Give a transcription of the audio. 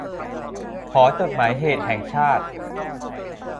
หอจดหมายเหตุแห่งชาติ